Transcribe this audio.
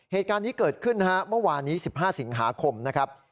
เหตุการณ์นี้เกิดขึ้นนะฮะเมื่อวานนี้๑๕สิงหาคมนะครับ